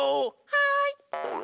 はい。